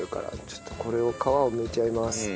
ちょっとこれを皮をむいちゃいます。